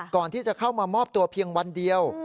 ก่อนที่จะเข้ามามอบตัวเพียงวันเดียว